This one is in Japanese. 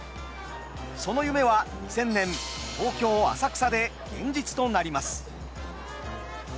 その夢は２０００年東京・浅草で現実となります。